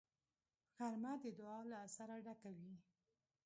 غرمه د دعا له اثره ډکه وي